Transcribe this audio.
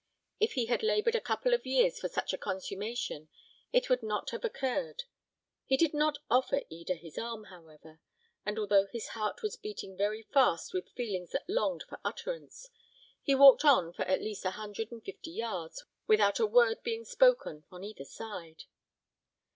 If he had laboured a couple of years for such a consummation it would not have occurred. He did not offer Eda his arm, however; and although his heart was beating very fast with feelings that longed for utterance, he walked on for at least a hundred and fifty yards, without a word being spoken on either side.